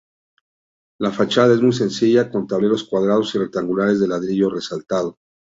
La fachada es muy sencilla con tableros cuadrados y rectangulares de ladrillo resaltado.